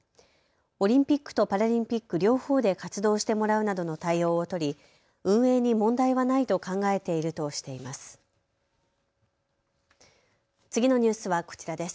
オリンピックとパラリンピック両方で活動してもらうなどの対応を取り運営に問題はないと考えているとしています。